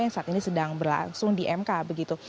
yang saat ini sedang berlangsung di mk begitu